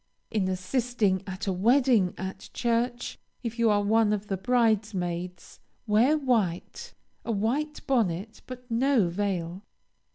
In assisting at a wedding at church, if you are one of the bridesmaids, wear white, a white bonnet but no veil.